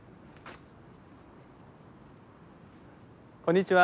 こんにちは。